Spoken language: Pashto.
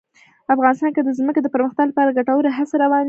افغانستان کې د ځمکه د پرمختګ لپاره ګټورې هڅې روانې دي.